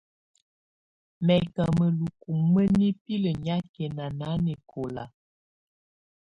Mɛ̀ kà mǝluku ma nipilǝ nyàkɛna nanɛkɔlà.